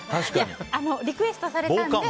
リクエストされたので。